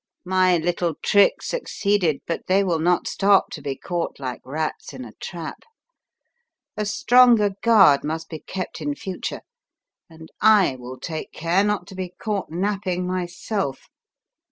My little trick succeeded, but they will not stop to be caught like rats in a trap. A stronger guard must be kept in future, and I will take care not to be caught napping myself.